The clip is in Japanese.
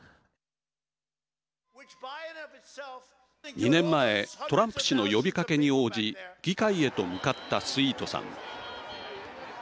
２年前トランプ氏の呼びかけに応じ議会へと向かったスイートさん。